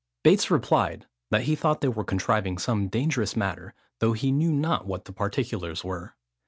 Bates replied, that he thought they were contriving some dangerous matter, though he knew not what the particulars were.